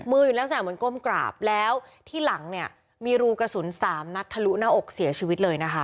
อยู่ลักษณะเหมือนก้มกราบแล้วที่หลังเนี่ยมีรูกระสุนสามนัดทะลุหน้าอกเสียชีวิตเลยนะคะ